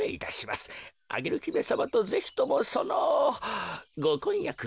アゲルひめさまとぜひともそのごこんやくを。